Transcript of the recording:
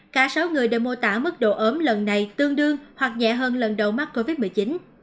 cả sáu người đều mô tả mức độ ốm lần này tương đương hoặc nhẹ hơn lần đầu mắc covid một mươi chín